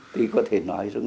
thì có thể nói rằng là